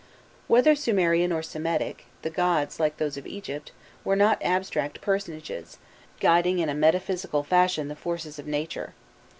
Whether Sumerian or Semitic, the gods, like those of Egypt, were not abstract personages, guiding in a metaphysical fashion the forces of nature.